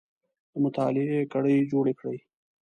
د مطالعې کړۍ جوړې کړئ